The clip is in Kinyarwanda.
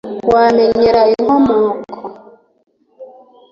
wamenyera inkomoko?